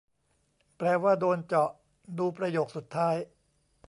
แปลว่า "โดนเจาะ" ดูประโยคสุดท้าย